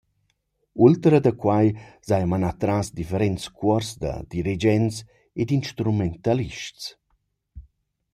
Ultra da quai s’haja manà tras differents cuors da dirigents ed instrumentalists.